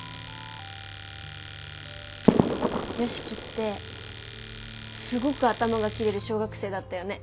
良樹ってすごく頭がキレる小学生だったよね。